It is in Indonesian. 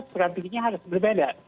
strateginya harus berbeda